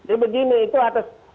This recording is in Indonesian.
ini begini itu atas